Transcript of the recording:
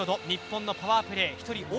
日本のパワープレー。